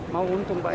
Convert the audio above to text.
mau untung pak ya